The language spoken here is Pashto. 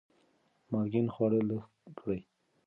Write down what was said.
مالګین خواړه لږ کړئ.